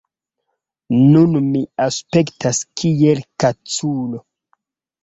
Nun mi aspektas kiel kaculo